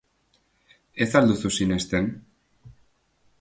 Ez al duzu sinesten?